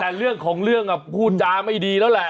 แต่เรื่องของเรื่องพูดจาไม่ดีแล้วแหละ